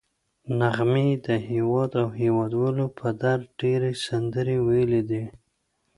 نغمې د هېواد او هېوادوالو په درد ډېرې سندرې ویلي دي